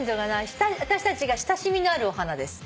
私たちが親しみのあるお花です。